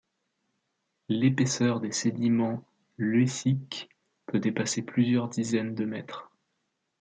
L'épaisseur des sédiments lœssiques peut dépasser plusieurs dizaines de mètres.